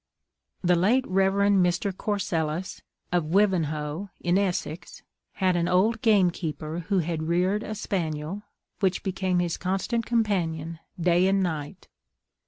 The late Rev. Mr. Corsellis, of Wivenhoe, in Essex, had an old gamekeeper who had reared a spaniel, which became his constant companion, day and night.